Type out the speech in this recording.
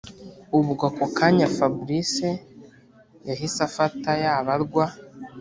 ubwo ako kanya fabric yahise afata yabarwa